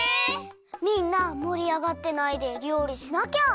みんなもりあがってないでりょうりしなきゃ。